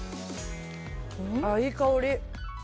いい香り。